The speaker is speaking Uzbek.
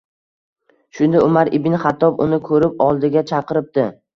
Shunda Umar ibn Xattob uni ko‘rib oldiga chaqiribdi.